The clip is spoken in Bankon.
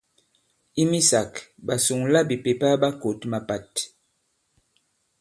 I misāk, ɓasuŋlabìpèpa ɓa kǒt mapat.